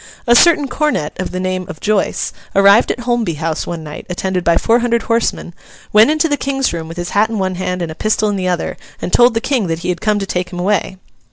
A certain cornet, of the name of Joice, arrived at Holmby House one night, attended by four hundred horsemen, went into the King's room with his hat in one hand and a pistol in the other, and told the King that he had come to take him away.